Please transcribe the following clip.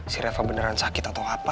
si reva beneran sakit atau apa